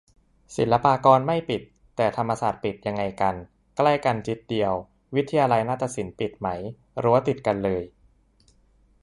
ศิลปากรไม่ปิด แต่ธรรมศาสตร์ปิด ยังไงกัน ใกล้กันจิ๊ดเดียว วิทยาลัยนาฏศิลป์ปิดไหม ? รั้วติดกันเลย